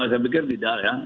saya pikir tidak ya